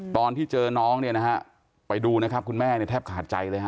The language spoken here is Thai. ตอนที่เจอน้องเนี่ยนะฮะไปดูนะครับคุณแม่เนี่ยแทบขาดใจเลยฮะ